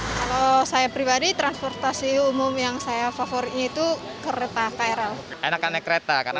kalau saya pribadi transportasi umum yang saya favori itu kereta krl enakan naik kereta karena